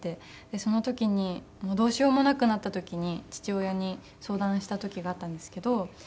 その時にどうしようもなくなった時に父親に相談した時があったんですけど。